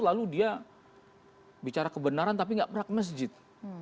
lalu dia bicara kebenaran tapi gak pernah ke masjid